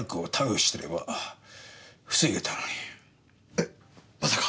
えっまさか。